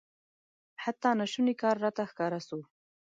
حتی ناشونی کار راته ښکاره سو.